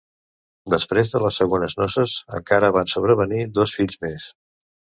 Després de les segones noces encara van sobrevenir dos fills més.